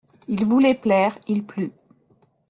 Il voulait plaire, il plut.